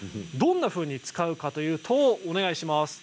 どんなふうに使うかといいますとお願いします。